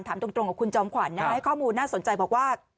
ถามตรงกับคุณจอมขวัญให้ข้อมูลน่าสนใจบอกว่า